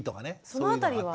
その辺りは？